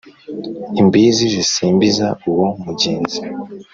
imbizi zisimbiza uwo mugenzi.